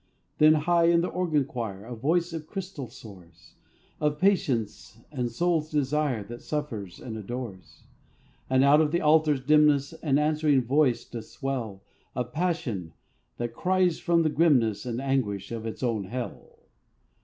Then high in the organ choir A voice of crystal soars, Of patience and soul's desire, That suffers and adores. And out of the altar's dimness An answering voice doth swell, Of passion that cries from the grimness And anguish of its own hell.